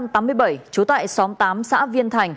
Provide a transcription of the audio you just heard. trú tại xóm tám xã viên thành